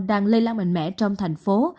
đang lây lan mạnh mẽ trong thành phố